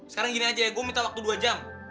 sekarang gini aja ya gue minta waktu dua jam